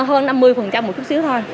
trong một chút xíu thôi